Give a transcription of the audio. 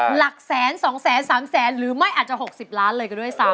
หลักแสน๒๓แสนหรือไม่อาจจะ๖๐ล้านเลยก็ด้วยซ้ำ